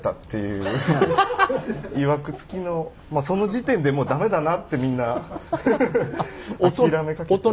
まあその時点でもう駄目だなってみんな諦めかけて。